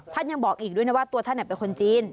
ท่านยังบอกอีกด้วยนะว่าตัวท่านเป็นคนจีน